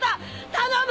頼む！